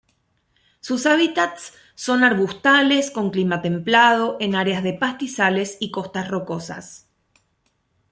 Sus hábitats son arbustales con clima templado en áreas de pastizales y costas rocosas.